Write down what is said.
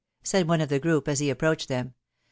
said one of the group as he approached them. .